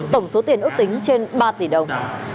tổng số tiền ước tính trên ba tỷ đồng